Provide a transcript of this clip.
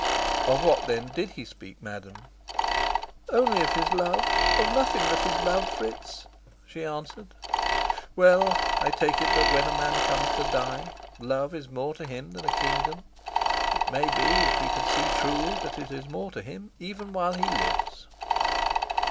"Of what then did he speak, madam?" "Only of his love of nothing but his love, Fritz," she answered. Well, I take it that when a man comes to die, love is more to him than a kingdom: it may be, if we could see truly, that it is more to him even while he lives.